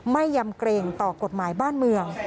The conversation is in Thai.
ยำเกรงต่อกฎหมายบ้านเมือง